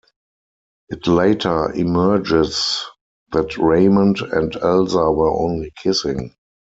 It later emerges that Raymond and Elsa were only kissing.